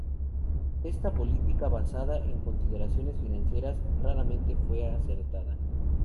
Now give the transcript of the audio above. Esta política, basada en consideraciones financieras, raramente fue acertada.